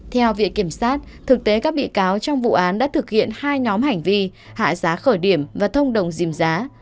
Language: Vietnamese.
theo viện kiểm sát thực tế các bị cáo trong vụ án đã thực hiện hai nhóm hành vi hạ giá khởi điểm và thông đồng dìm giá